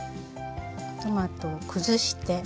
トマトを崩して。